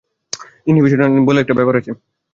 Inhibition বলে একটা ব্যাপার আছে।